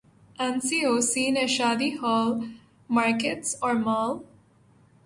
N C O C نے شادی hall, markets اور مال